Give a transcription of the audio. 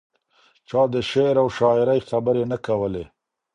چا د شعر او شاعرۍ خبرې نه کولې.